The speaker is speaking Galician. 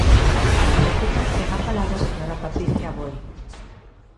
Para a réplica, ten a palabra a señora Patricia Aboi.